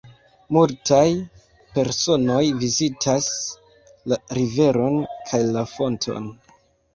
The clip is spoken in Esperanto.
Multaj personoj vizitas la riveron kaj la fonton.